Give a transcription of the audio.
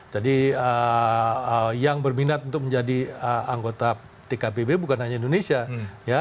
jadi yang berminat untuk menjadi anggota tkpb bukan hanya indonesia ya